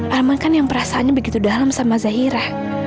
arman kan yang perasaannya begitu dalam sama zahira